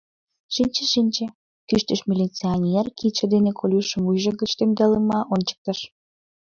— Шинче-шинче! — кӱштыш милиционер, кидше дене Колюшым вуйжо гыч темдалмыла ончыктыш.